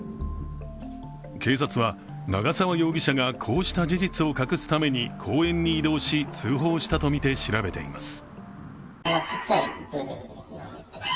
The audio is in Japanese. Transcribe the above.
警察は、長沢容疑者がこうした事実を隠すために公園に移動し、通報したとみて調べています。